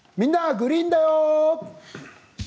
グリーンだよ」。